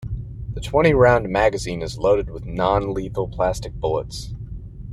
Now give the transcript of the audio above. The twenty-round magazine is loaded with non-lethal plastic bullets.